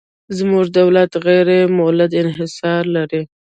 زموږ دولت غیر مولد انحصار لري.